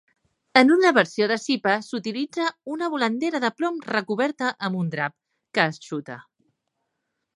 En una versió de Sipa s'utilitza una volandera de plom recoberta amb un drap, que es xuta.